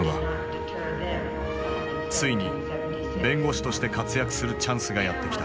ついに弁護士として活躍するチャンスがやって来た。